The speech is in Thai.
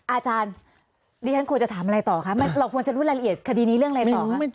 อาจารย์ดิฉันควรจะถามอะไรต่อคะเราควรจะรู้รายละเอียดคดีนี้เรื่องอะไรต่อคะ